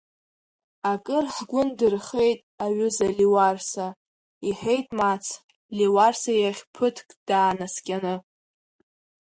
Акыр ҳгәы ндырхеит, аҩыза Леуарса, — иҳәеит Мац, Леуарса иахь ԥыҭк даанаскьаны.